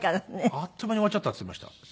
「あっという間に終わっちゃった」って言ってました。